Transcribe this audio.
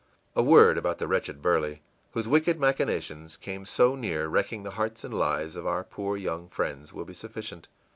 A word about the wretched Burley, whose wicked machinations came so near wrecking the hearts and lives of our poor young friends, will be sufficient.